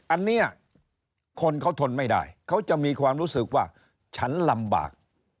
อันนี้คนเขาทนไม่ได้เขาจะมีความรู้สึกว่าฉันลำบาก